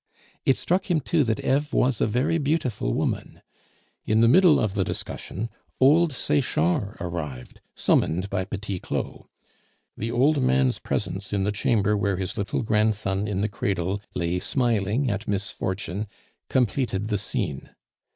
It struck him too that Eve was a very beautiful woman. In the middle of the discussion old Sechard arrived, summoned by Petit Claud. The old man's presence in the chamber where his little grandson in the cradle lay smiling at misfortune completed the scene.